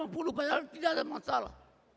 padahal tidak ada masalah